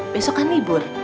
besok kan libur